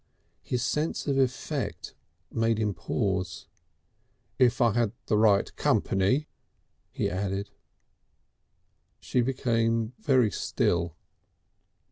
His sense of effect made him pause. "If I had the right company," he added. She became very still.